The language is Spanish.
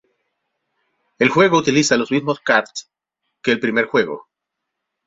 El juego utiliza los mismo karts que el primer juego.